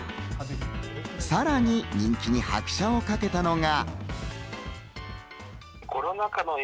さらに人気に拍車をかけたのが。